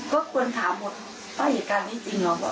ก็ควรถามหมดว่าเหตุการณ์นี้จริงเหรอ